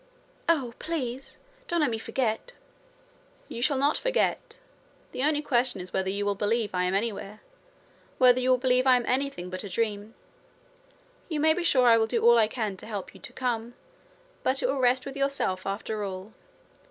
'Oh! please, don't let me forget.' 'You shall not forget. The only question is whether you will believe I am anywhere whether you will believe I am anything but a dream. You may be sure I will do all I can to help you to come. But it will rest with yourself, after all.